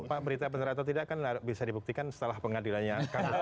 pak berita benar atau tidak kan bisa dibuktikan setelah pengadilannya